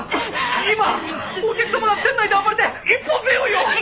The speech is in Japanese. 今お客様が店内で暴れて一本背負いを！